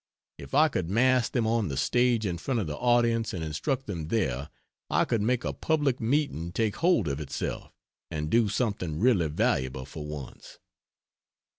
If I could mass them on the stage in front of the audience and instruct them there, I could make a public meeting take hold of itself and do something really valuable for once.